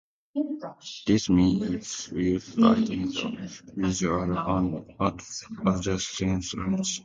This means it uses light in the visible and adjacent ranges.